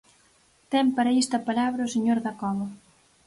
Ten para isto a palabra o señor Dacova.